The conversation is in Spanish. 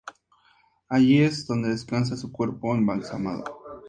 Allí es donde descansa su cuerpo embalsamado.